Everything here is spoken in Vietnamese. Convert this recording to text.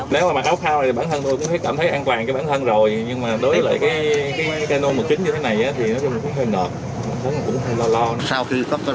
nếu mà mặc áo phao này thì bản thân tôi cũng cảm thấy an toàn cho bản thân rồi